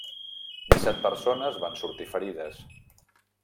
Disset persones van sortir ferides.